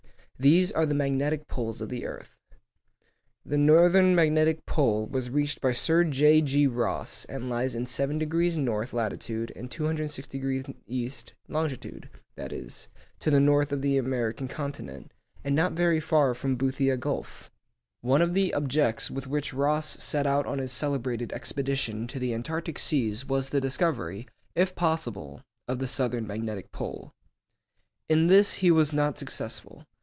These are the magnetic poles of the earth. The northern magnetic pole was reached by Sir J. G. Ross, and lies in 70° N. lat. and 263° E. long., that is, to the north of the American continent, and not very far from Boothia Gulf. One of the objects with which Ross set out on his celebrated expedition to the Antarctic Seas was the discovery, if possible, of the southern magnetic pole. In this he was not successful.